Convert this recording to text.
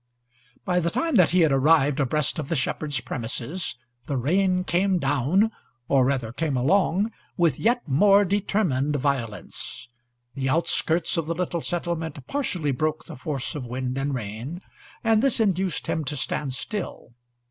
By the time that he had arrived abreast of the shepherd's premises, the rain came down, or rather came along, with yet more determined violence. The outskirts of the little homestead partially broke the force of wind and rain, and this induced him to stand still.